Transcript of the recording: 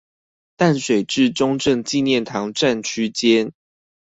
淡水至中正紀念堂站區間